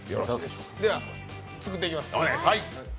では作っていきます。